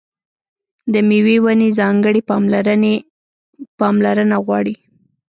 د مېوې ونې ځانګړې پاملرنه غواړي.